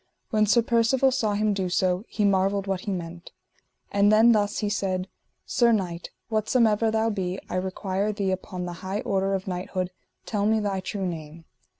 When Sir Percivale saw him do so he marvelled what he meant. And then thus he said: Sir knight, whatsomever thou be, I require thee upon the high order of knighthood, tell me thy true name.